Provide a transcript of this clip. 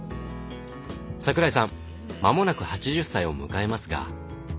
桜井さん間もなく８０歳を迎えますが？